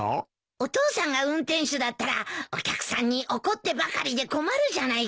お父さんが運転手だったらお客さんに怒ってばかりで困るじゃないか。